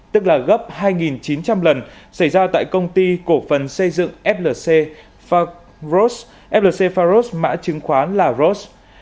tức là gấp hai chín trăm linh lần xảy ra tại công ty cổ phần xây dựng flc faros flc pharos mã chứng khoán là ros